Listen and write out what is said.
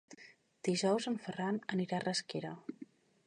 Dijous en Ferran anirà a Rasquera.